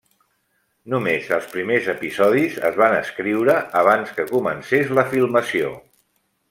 Només els primers episodis es van escriure abans que comencés la filmació.